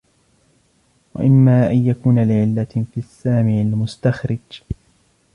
وَإِمَّا أَنْ يَكُونَ لِعِلَّةٍ فِي السَّامِعِ الْمُسْتَخْرِجِ